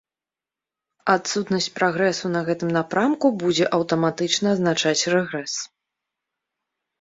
Адсутнасць прагрэсу на гэтым напрамку будзе аўтаматычна азначаць рэгрэс.